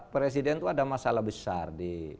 presiden tuh ada masalah besar di